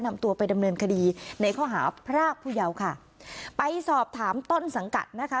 นำตัวไปดำเนินคดีในข้อหาพรากผู้เยาค่ะไปสอบถามต้นสังกัดนะคะ